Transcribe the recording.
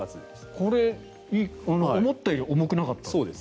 これ思ったより重くなかった。